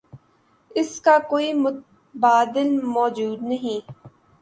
اس کا کوئی متبادل موجود نہیں۔